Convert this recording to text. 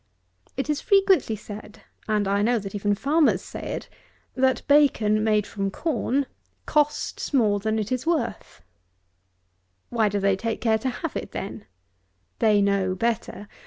It is frequently said, and I know that even farmers say it, that bacon, made from corn, costs more than it is worth! Why do they take care to have it then? They know better.